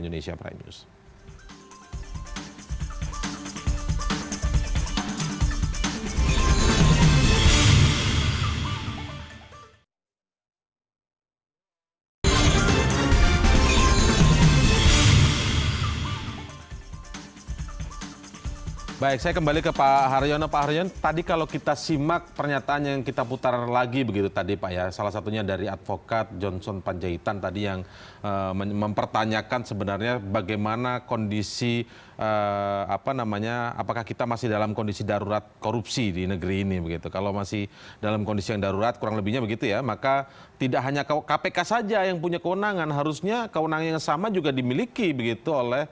nanti kita akan ulas lebih lanjut